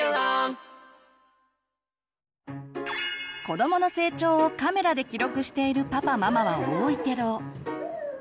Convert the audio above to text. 子どもの成長をカメラで記録しているパパママは多いけど。